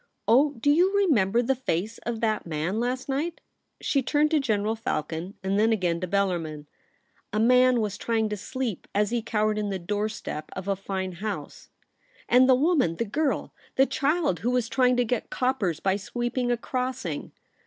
Oh ! do you remember the face of that man last night ?' She turned to General Falcon and then again to Bellarmin. ' A man was trying to sleep as he cowered in the doorstep of a fine house — and the woman, the girl, the child who was trying to get coppers by sweeping a crossing